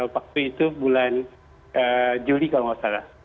waktu itu bulan juli kalau nggak salah